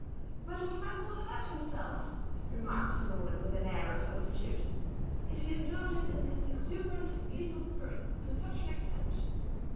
"My little friend will hurt himself," remarked Sir Norman, with an air of solicitude, "if he indulges in his exuberant and gleeful spirits to such an extent.